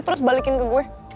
terus balikin ke gue